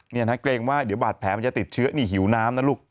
นี่นะเกรงว่าเดี๋ยวบาดแผลมันจะติดเชื้อนี่หิวน้ำนะลูก